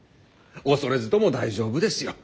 恐れずとも大丈夫ですよ。